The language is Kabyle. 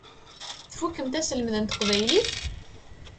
Tfukkemt aselmed n teqbaylit?